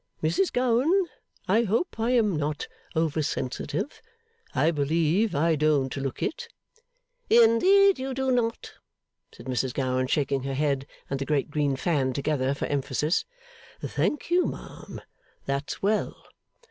Mrs Gowan, I hope I am not over sensitive. I believe I don't look it.' 'Indeed you do not,' said Mrs Gowan, shaking her head and the great green fan together, for emphasis. 'Thank you, ma'am; that's well.